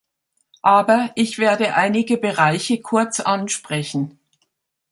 Aber ich werde einige Bereiche kurz ansprechen.